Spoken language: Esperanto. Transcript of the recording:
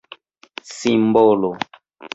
simbolo